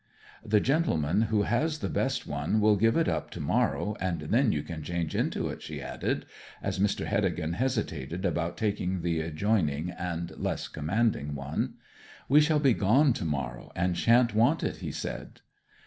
'The gentleman who has the best one will give it up to morrow, and then you can change into it,' she added, as Mr. Heddegan hesitated about taking the adjoining and less commanding one. 'We shall be gone to morrow, and shan't want it,' he said.